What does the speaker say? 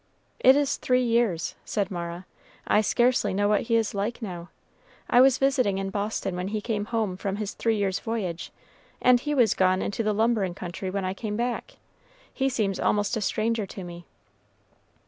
"It is three years," said Mara. "I scarcely know what he is like now. I was visiting in Boston when he came home from his three years' voyage, and he was gone into the lumbering country when I came back. He seems almost a stranger to me."